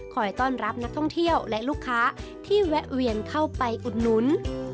ต้อนรับนักท่องเที่ยวและลูกค้าที่แวะเวียนเข้าไปอุดหนุน